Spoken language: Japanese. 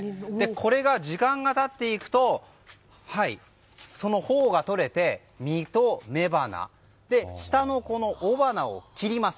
これが時間が経っていくと取れて身と雌花、下の雄花を切ります。